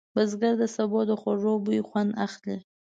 بزګر د سبو د خوږ بوی خوند اخلي